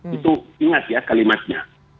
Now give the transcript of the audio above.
itu ingat ya kalimatnya